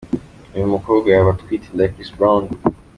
Uyu mukobwa yaba atwite inda ya Chris Brown.